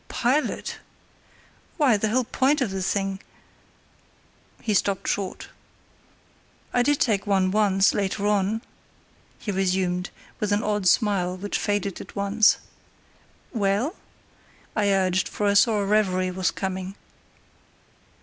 "Pilot? Why, the whole point of the thing"—he stopped short—"I did take one once, later on," he resumed, with an odd smile, which faded at once. "Well?" I urged, for I saw a reverie was coming.